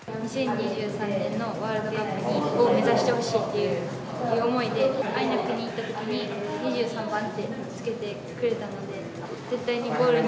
２０２３年のワールドカップを目指してほしいっていう思いで、ＩＮＡＣに行ったときに、２３番をつけてくれたので。